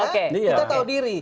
kita tahu diri